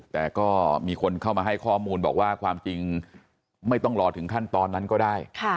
แต่ก็มีคนเข้ามาให้ข้อมูลบอกว่าความจริงไม่ต้องรอถึงขั้นตอนนั้นก็ได้